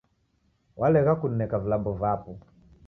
Walegha kunineka vilambo vapo